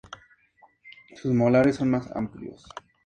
Sus molares son más amplios.